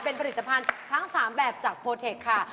เป็นผลิตภัณฑ์ทั้ง๓แบบจากโพเทคค่ะ